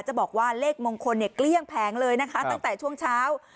จะบอกว่าเลขมงคลเนี่ยเกลี้ยงแผงเลยนะคะตั้งแต่ช่วงเช้า